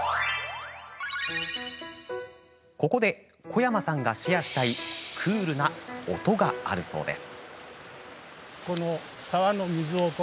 ここで小山さんがシェアしたいクールな音があるそうです。